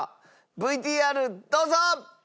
ＶＴＲどうぞ！